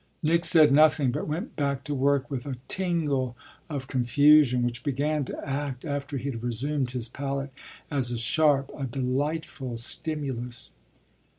Nick said nothing, but went back to work with a tingle of confusion, which began to act after he had resumed his palette as a sharp, a delightful stimulus.